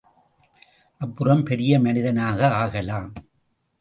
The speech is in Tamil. அப்புறம் பெரிய மனிதனாக ஆகலாம்.